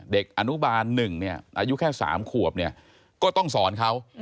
เด็กอนุบาลหนึ่งเนี่ยอายุแค่๓ขวบเนี่ยก็ต้องสอนเขา